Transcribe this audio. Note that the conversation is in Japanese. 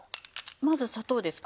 まず砂糖ですか？